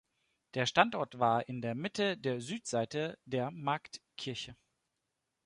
Der Standort war in der Mitte der Südseite der Marktkirche.